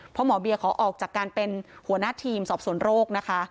เพราะหมอเบียขอออกจากการเป็นหัวหน้าทีมสอบสวนโรคนะคะ